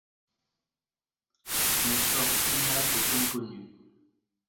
Son sort final est inconnu.